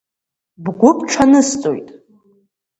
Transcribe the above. Бгәыбҽанысҵоит.